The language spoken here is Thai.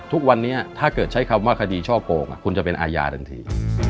ทุกวันนี้ถ้าเกิดใช้คำว่าคดีช่อโกงคุณจะเป็นอาญาทันที